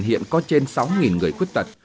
hiện có trên sáu người khuyết tật